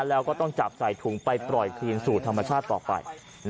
แล้วก็ต้องจับใส่ถุงไปปล่อยคืนสู่ธรรมชาติต่อไป